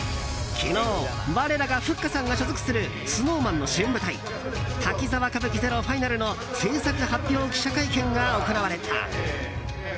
昨日、我らがふっかさんが所属するＳｎｏｗＭａｎの主演舞台「滝沢歌舞伎ＺＥＲＯＦＩＮＡＬ」の制作発表記者会見が行われた。